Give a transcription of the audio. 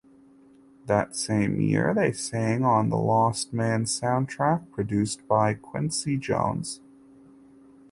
That same year they sang on "The Lost Man" soundtrack produced by Quincy Jones.